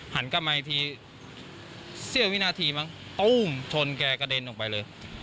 หันกลับมาอีกทีเสียวินาทีต้มชนแก๋กระเด็นลงไปเลย